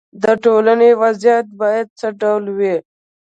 د ټولنې وضعیت باید څه ډول وي.